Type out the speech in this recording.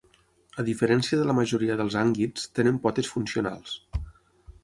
A diferència de la majoria dels ànguids, tenen potes funcionals.